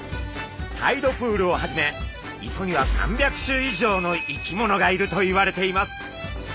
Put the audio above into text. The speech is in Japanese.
タイドプールをはじめ磯には３００種以上の生き物がいるといわれています。